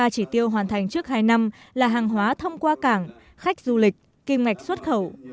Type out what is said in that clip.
ba chỉ tiêu hoàn thành trước hai năm là hàng hóa thông qua cảng khách du lịch kim ngạch xuất khẩu